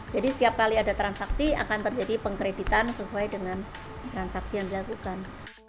jadi setiap kali ada transaksi akan terjadi pengkreditan sesuai dengan transaksi yang dilakukan